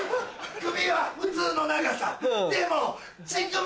首は普通の長さでも乳首。